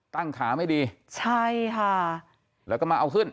ขาไม่ดีใช่ค่ะแล้วก็มาเอาขึ้น